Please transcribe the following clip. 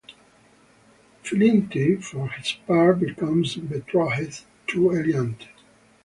Philinte, for his part, becomes betrothed to Eliante.